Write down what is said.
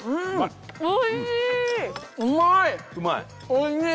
おいしい。